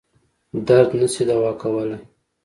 درد نه شي دوا کولای.